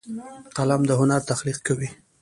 قلم د هنر تخلیق کوي